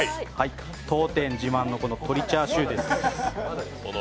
当店自慢の鶏チャーシューです。